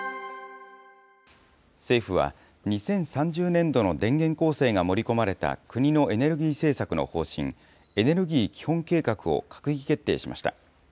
政府は、２０３０年度の電源構成が盛り込まれた国のエネルギー政策の方針、エネルギー基本計画を閣議決定しました。